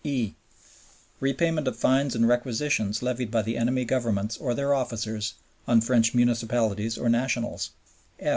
(e) Repayment of fines and requisitions levied by the enemy Governments or their officers on French municipalities or nationals.